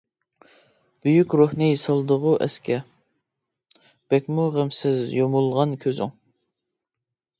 بۈيۈك روھنى سالدىغۇ ئەسكە، بەكمۇ غەمسىز يۇمۇلغان كۆزۈڭ.